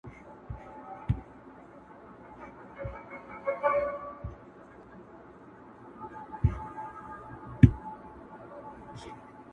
یو څه سیالي د زمانې ووینو٫